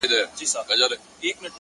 بدكارمو كړی چي وركړي مو هغو ته زړونه،